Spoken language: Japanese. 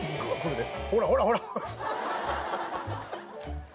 ほらほらほら。